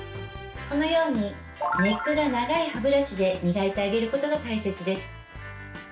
このようにネックが長い歯ブラシで磨いてあげることが大切です。